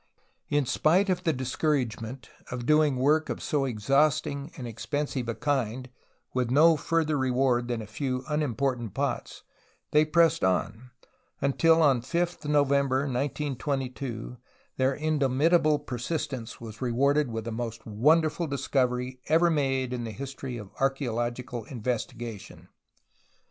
In spite of the discouragement of doing work of so exhaustive and expensive a kind with no further reward than a few unimportant pots, they pressed on, until on oth November 1922 their indomitable persistence was rewarded with the most wonderful discovery ever made in the history of archaeological investigation.